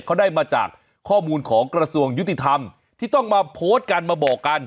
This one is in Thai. เขาได้มาจากข้อมูลของกระทรวงยุติธรรมที่ต้องมาโพสต์กันมาบอกกัน